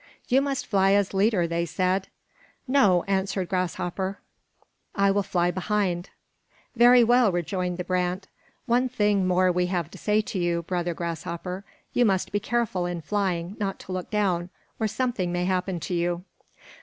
"You must fly as leader," they said. "No," answered Grasshopper, "I will fly behind." "Very well," rejoined the brant. "One thing more we have to say to you, brother Grasshopper. You must be careful, in flying, not to look down, or something may happen to you."